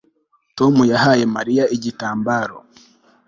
Tom yahaye Mariya igitambaro